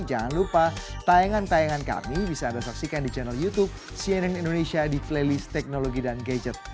jangan lupa tayangan tayangan kami bisa anda saksikan di channel youtube cnn indonesia di playlist teknologi dan gadget